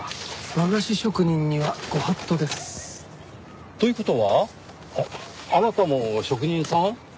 和菓子職人には御法度です。という事はあなたも職人さん？